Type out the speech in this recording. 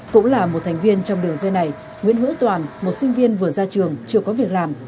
cũng là một thành viên trong đường dây này nguyễn hữu toàn một sinh viên vừa ra trường chưa có việc làm